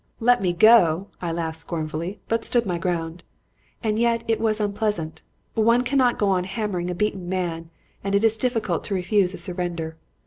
"Let me go! I laughed scornfully, but stood my ground. And yet it was unpleasant. One cannot go on hammering a beaten man and it is difficult to refuse a surrender.